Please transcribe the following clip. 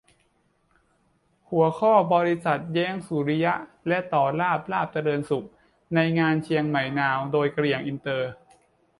หัวข้อ : บริษัทย้อนแยงสุนทรียะ และ ต่อลาภ ลาภเจริญสุข ในงานเชียงใหม่นาว ! - โดย : กะเหรี่ยงอินเตอร์